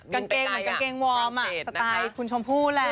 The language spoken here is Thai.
กางเกงเหมือนกางเกงวอร์มสไตล์คุณชมพู่แหละ